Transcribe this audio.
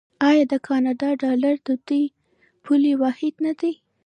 آیا د کاناډا ډالر د دوی پولي واحد نه دی؟